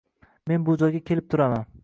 Men bu joyga kelib turaman.